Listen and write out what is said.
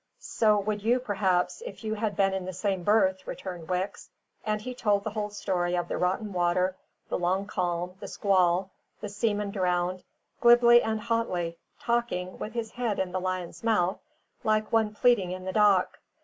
"So would you, perhaps, if you had been in the same berth," returned Wicks; and he told the whole story of the rotten water, the long calm, the squall, the seamen drowned; glibly and hotly; talking, with his head in the lion's mouth, like one pleading in the dock.